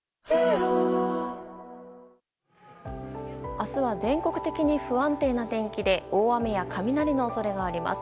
明日は全国的に不安定な天気で大雨や雷の恐れがあります。